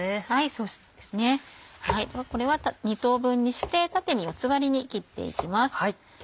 そうですねこれは２等分にして縦に四つ割りに切っていきます。